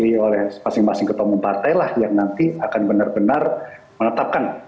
yang diwakili oleh masing masing ketemu partai lah yang nanti akan benar benar menetapkan